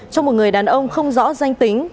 trong một người đàn ông không rõ danh tính